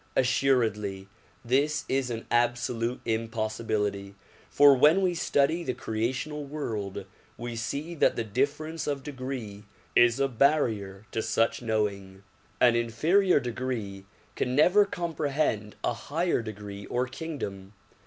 Assuredly this is an absolute impossibility, for when we study the creational world we see that the difference of degree is a barrier to such knowing. An inferior degree can never comprehend a higher degree or kingdom.